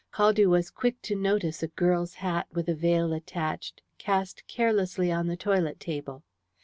Caldew was quick to notice a girl's hat, with a veil attached, cast carelessly on the toilet table.